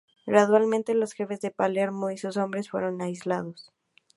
Gradualmente, los jefes de Palermo y sus hombres fueron aislados.